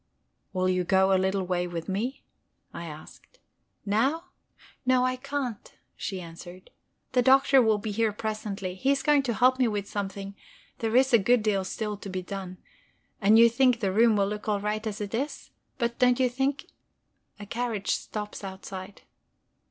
"Will you go a little way with me?" I asked. "Now? No, I can't," she answered. "The Doctor will be here presently. He's going to help me with something; there is a good deal still to be done. And you think the room will look all right as it is? But don't you think...?" A carriage stops outside.